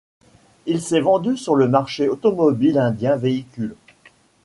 Il s'est vendu sur le marché automobile indien véhicules.